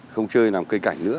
không chơi làm cây cành nữa